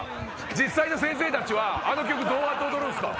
実際の先生たちはあの曲どうやって踊るんすか？